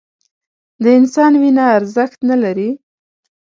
د انسان وینه ارزښت نه لري